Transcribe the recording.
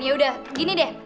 ya udah gini deh